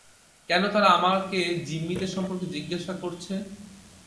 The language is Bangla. কেন তারা আমাকে জিম্মিদের সম্পর্কে জিজ্ঞাসা করছে?